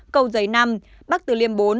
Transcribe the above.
cầu giấy năm bắc từ liêm bốn